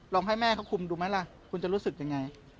ให้แม่เขาคุมดูไหมล่ะคุณจะรู้สึกยังไง